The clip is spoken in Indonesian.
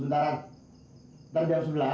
iya dah yang penting komisinya raya